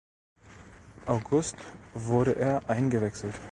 August wurde er eingewechselt.